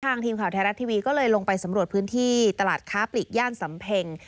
ทีมข่าวไทยรัฐทีวีก็เลยลงไปสำรวจพื้นที่ตลาดค้าปลีกย่านสำเพ็ง